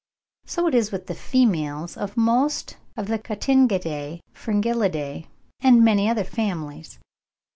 So it is with the females of most of the Cotingidae, Fringillidae, and many other families.